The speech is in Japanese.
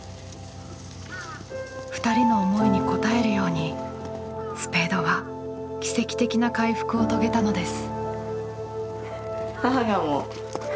２人の思いに応えるようにスペードは奇跡的な回復を遂げたのです。